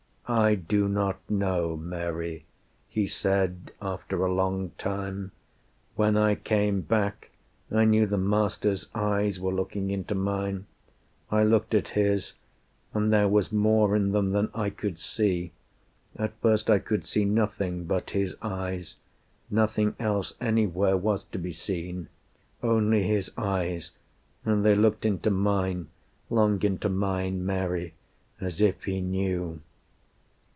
"I do not know, Mary," he said, after a long time. "When I came back, I knew the Master's eyes Were looking into mine. I looked at His, And there was more in them than I could see. At first I could see nothing but His eyes; Nothing else anywhere was to be seen Only His eyes. And they looked into mine Long into mine, Mary, as if He knew."